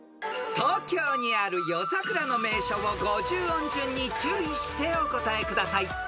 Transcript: ［東京にある夜桜の名所を５０音順に注意してお答えください］